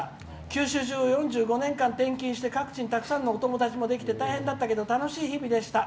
九州中を４５年間転勤して各地にたくさんのお友達もできて大変だったけど楽しい日々でした。